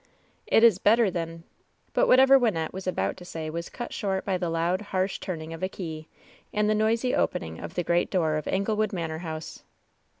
"It is better than '' But whatever Wynnette was about to say was cut short by the loud, harsh turning of a key, and the noisy opening of the great door of Anglewood Manor House.